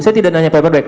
saya tidak tanya paperback